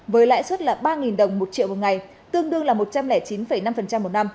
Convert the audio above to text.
với lãi suất là ba đồng một triệu một ngày tương đương là một trăm linh chín năm một năm